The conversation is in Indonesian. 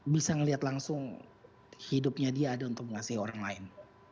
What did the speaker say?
bisa melihat langsung hidupnya dia ada untuk mengasihi orang lain